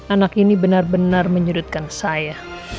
anak ini benar benar menyerutkan saya